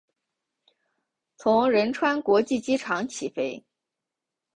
从仁川国际机场起飞。